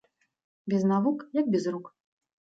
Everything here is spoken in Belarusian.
Без навук як без рук